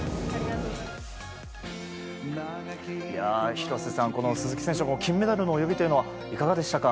廣瀬さん、鈴木選手の金メダルの泳ぎというのはいかがでしたか？